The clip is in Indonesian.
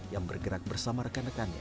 yang bergerak bersama rekan rekannya